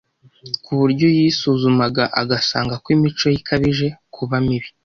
ku buryo yisuzumaga agasanga ko imico ye ikabije kuba mibi